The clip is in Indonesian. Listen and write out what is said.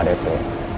seberapa ini cuma dp